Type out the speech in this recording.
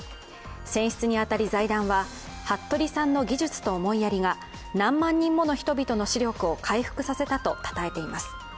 選出にあたり、財団は服部さんの技術と思いやりが何万人もの人々の視力を回復させたとたたえています。